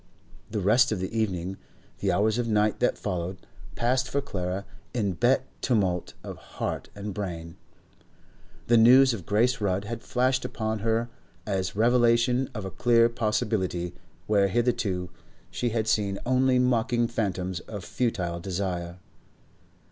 The rest of the evening, the hours of night that followed, passed for Clara in hot tumult of heart and brain. The news of Grace Rudd had flashed upon her as revelation of a clear possibility where hitherto she had seen only mocking phantoms of futile desire.